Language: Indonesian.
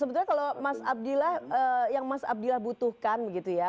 sebetulnya kalau mas abdillah yang mas abdillah butuhkan begitu ya